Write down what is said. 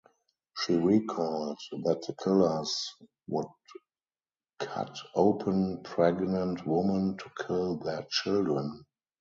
She recalled that the killers would cut open pregnant women to kill their children.